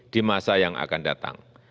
di masa yang akan datang